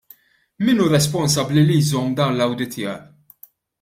Min hu responsabbli li jżomm dan l-awditjar?